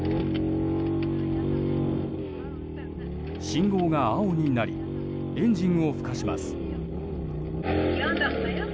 信号が青になりエンジンを吹かします。